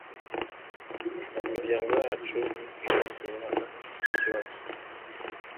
imiryango yacu irasurana nta kibazo.”